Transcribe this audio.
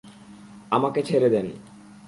আমাকে ছেড়ে দেন।